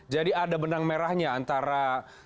jadi ada benang merahnya antara